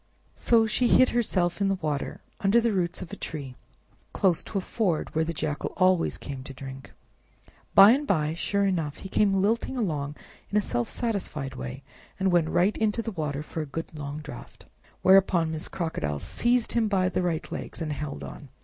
So she hid herself in the water, under the roots of a tree, close to a ford where the Jackal always came to drink. By and by, sure enough, he came lilting along in a self satisfied way, and went right into the water for a good long draft. Whereupon Miss Crocodile seized him by the right legs and held on.